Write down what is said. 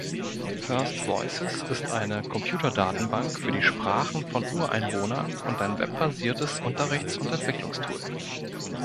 FirstVoices ist eine Computerdatenbank für die Sprachen von Ureinwohnern und ein webbasiertes Unterrichts- und Entwicklungstool.